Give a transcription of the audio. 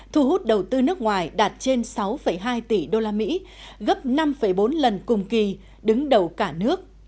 thu hút đầu tư nước ngoài đạt trên sáu hai tỷ usd gấp năm bốn lần cùng kỳ đứng đầu cả nước